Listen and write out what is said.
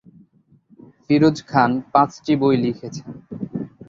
ফিরোজ খান পাঁচটি বই লিখেছেন।